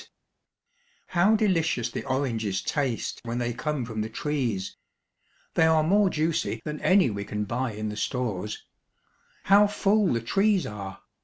134 THE SOUTH. How delicious the oranges taste when they come from the trees! They are more juicy than any we can buy in the stores. How full the trees are!